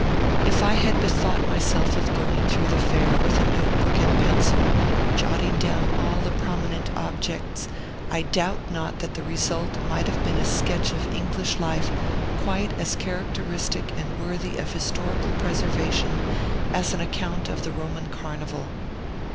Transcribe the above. If I had bethought myself of going through the fair with a note book and pencil, jotting down all the prominent objects, I doubt not that the result might have been a sketch of English life quite as characteristic and worthy of historical preservation as an account of the Roman Carnival.